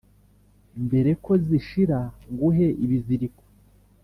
mbe ko zishira nguhe ibiziriko